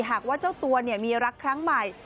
หากว่าเจ้าตัวมีรักครั้งใหม่